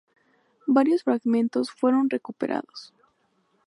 Varios fragmentos fueron recuperados.